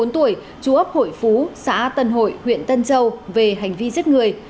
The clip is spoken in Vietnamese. bốn mươi bốn tuổi chú ấp hội phú xã tân hội huyện tân châu về hành vi giết người